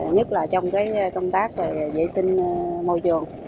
nhất là trong công tác vệ sinh môi trường